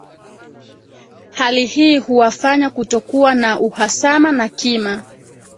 Hali hii huwafanya kutokuwa na uhasama na kima